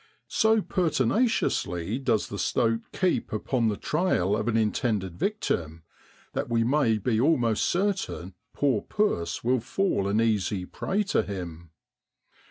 So pertinaciously does the stoat keep upon the trail of an intended victim that we may be almost certain poor puss will fall an easy prey to him.